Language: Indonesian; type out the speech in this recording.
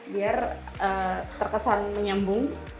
biar terkesan menyambung